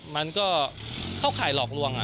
มันก็เข้าข่ายหลอกลวง